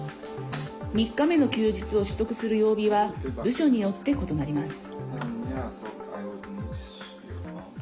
３日目の休日を取得する曜日は部署によって異なります。